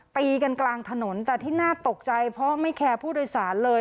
ตีกันกลางถนนแต่ที่น่าตกใจเพราะไม่แคร์ผู้โดยสารเลย